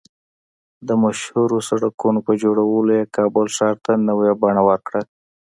د مشهورو سړکونو په جوړولو یې کابل ښار ته نوې بڼه ورکړه